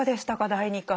第２回。